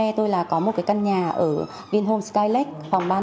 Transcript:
hôm nay tôi có một căn nhà ở vinhome skylake phòng ba nghìn năm trăm linh năm